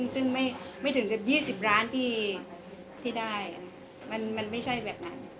ซึ่งไม่ถึงกับ๒๐ล้านที่ได้มันไม่ใช่แบบนั้น